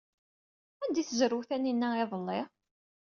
Anda ay tezrew Taninna iḍelli?